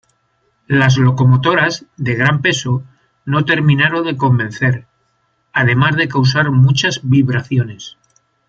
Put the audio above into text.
Las locomotoras, de gran peso, no terminaron de convencer, además de causar muchas vibraciones.